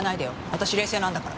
私冷静なんだから。